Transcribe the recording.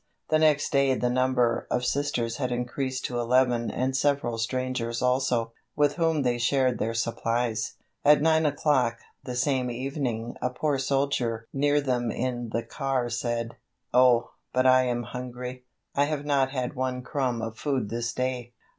The next day the number of Sisters had increased to eleven and several strangers also, with whom they shared their supplies. At 9 o'clock the same evening a poor soldier near them in the car said: "Oh, but I am hungry. I have not had one crumb of food this day."